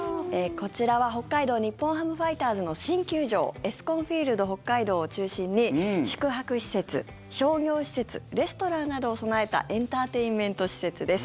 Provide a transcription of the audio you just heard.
こちらは北海道日本ハムファイターズの新球場ＥＳＣＯＮＦＩＥＬＤＨＯＫＫＡＩＤＯを中心に宿泊施設、商業施設レストランなどを備えたエンターテインメント施設です。